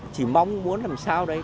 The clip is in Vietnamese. chỉ mong muốn làm sao đấy